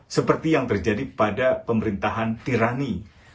seperti yang terjadi pada pemerintahan tirani